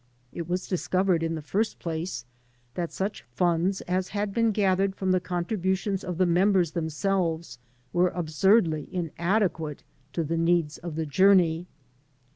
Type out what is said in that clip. It was discovered, in .the first place, that such funds as had been gathered from the contributions of the members themselves were absurdly inadequate to the needs of the journey.